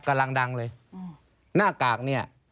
กำลังดังเลย